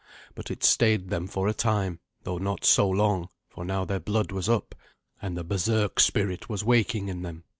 But it stayed them for a time, though not so long, for now their blood was up, and the berserk spirit was waking in them.